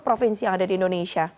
provinsi yang ada di indonesia